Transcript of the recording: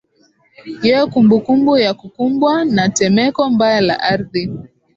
ye kumbukumbu ya kukumbwa na temeko mbaya la ardhi